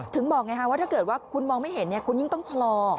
บอกไงฮะว่าถ้าเกิดว่าคุณมองไม่เห็นคุณยิ่งต้องชะลอ